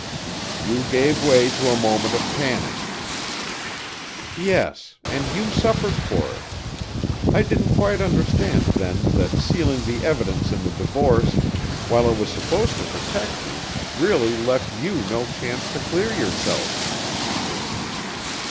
"You gave way to a moment of panic." "Yes and you suffered for it. I didn't quite understand then that sealing the evidence in the divorce, while it was supposed to protect me, really left you no chance to clear yourself."